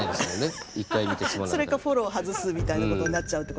それかフォローを外すみたいなことになっちゃうってことですかね。